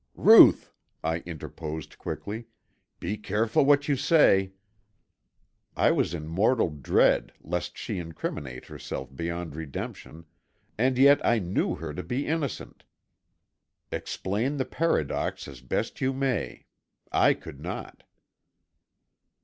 "Ruth," I interposed quickly, "be careful what you say." I was in mortal dread lest she incriminate herself beyond redemption, and yet I knew her to be innocent! Explain the paradox as best you may. I could not.